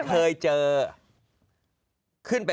เคยเจอ